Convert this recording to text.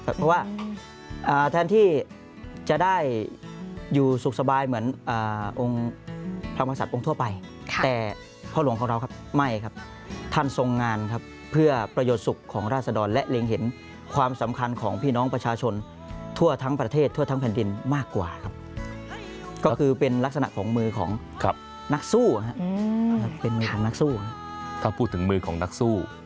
เพราะว่าแทนที่จะได้อยู่สุขสบายเหมือนองค์พระมศัตว์ทั่วไปแต่พ่อหลวงของเราครับไม่ครับท่านทรงงานครับเพื่อประโยชน์สุขของราศดรและเล็งเห็นความสำคัญของพี่น้องประชาชนทั่วทั้งประเทศทั่วทั้งแผ่นดินมากกว่าครับก็คือเป็นลักษณะของมือของนักสู้เป็นมือของนักสู้ถ้าพูดถึงมือของนักสู้